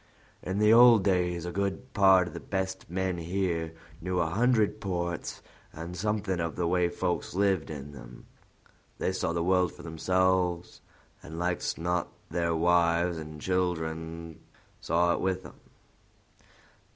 In the old days, a good part o' the best men here knew a hundred ports and something of the way folks lived in them. They saw the world for themselves, and like's not their wives and children saw it with them.